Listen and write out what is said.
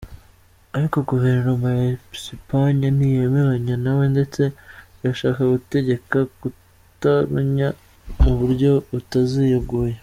Ariko guverinoma ya Esipanye ntiyemeranya nawe ndetse irashaka gutegeka Katalunya mu buryo butaziguye.